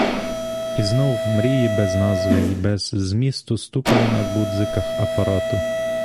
І знов мрії без назви й без змісту стукали на ґудзиках апарату.